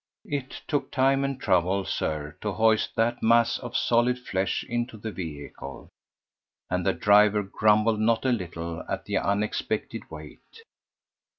It took time and trouble, Sir, to hoist that mass of solid flesh into the vehicle, and the driver grumbled not a little at the unexpected weight.